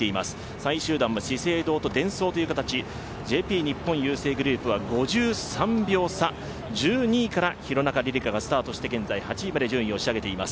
３位集団も資生堂とデンソーという形、ＪＰ日本郵政グループは５３秒差、１２位から廣中璃梨佳がスタートして、現在８位まで順位を押し上げています。